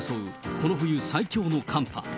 この冬最強の寒波。